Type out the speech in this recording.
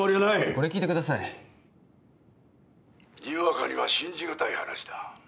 これ聞いてください「にわかには信じがたい話だ」